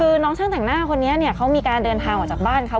คือน้องช่างแต่งหน้าคนนี้เนี่ยเขามีการเดินทางออกจากบ้านเขา